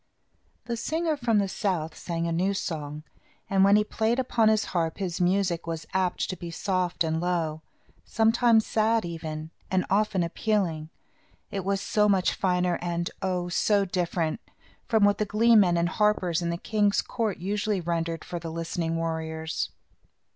] The singer from the south sang a new song, and when he played upon his harp his music was apt to be soft and low; sometimes sad, even, and often appealing. It was so much finer, and oh! so different, from what the glee men and harpers in the king's court usually rendered for the listening warriors.